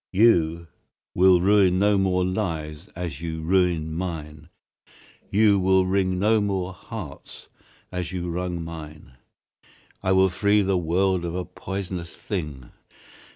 "You will ruin no more lives as you ruined mine. You will wring no more hearts as you wrung mine. I will free the world of a poisonous thing.